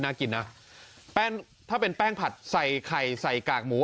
น่ากินนะแป้งถ้าเป็นแป้งผัดใส่ไข่ใส่กากหมู